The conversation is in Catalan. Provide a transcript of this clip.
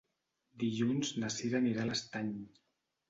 Dilluns na Cira anirà a l'Estany.